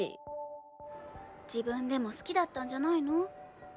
自分でも好きだったんじゃないの？